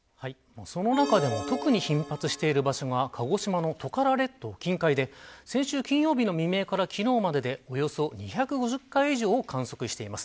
その中でも特に頻発している場所が鹿児島のトカラ列島近海で先週金曜日の未明から昨日まででおよそ２５０回以上を観測しています。